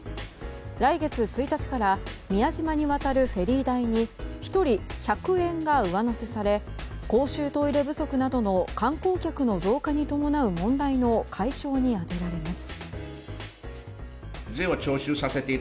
来月１日から宮島に渡るフェリー代に１人１００円が上乗せされ公衆トイレ不足などの観光客の増加に伴う問題の解消に充てられます。